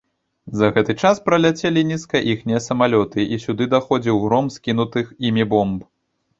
За гэты час праляцелі нізка іхнія самалёты, і сюды даходзіў гром скінутых імі бомб.